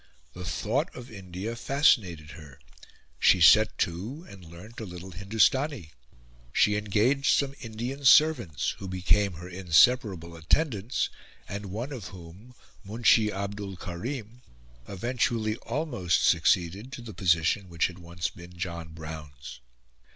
The thought of India fascinated her; she set to, and learnt a little Hindustani; she engaged some Indian servants, who became her inseparable attendants, and one of whom, Munshi Abdul Karim, eventually almost succeeded to the position which had once been John Brown's.